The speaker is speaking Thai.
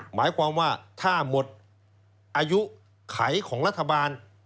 หมายความว่าถ้าหมดอายุไขของรัฐบาล